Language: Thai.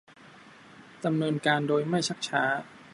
ดำเนินการโดยไม่ชักช้า